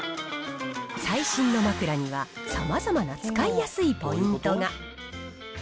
最新の枕にはさまざまな使いやすいポイントが。